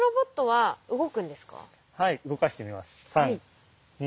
はい動かしてみます。